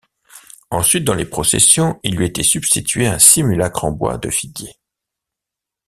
Ensuite, dans les processions, il lui était substitué un simulacre en bois de figuier.